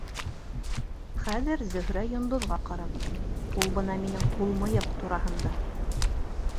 Хәҙер Зөһрә йондоҙға ҡарағыҙ, ул бына минең һул мыйыҡ тураһында.